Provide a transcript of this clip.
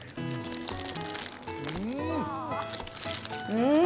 うん！